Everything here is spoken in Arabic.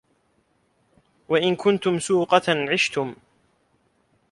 وَإِنْ كُنْتُمْ سُوقَةً عِشْتُمْ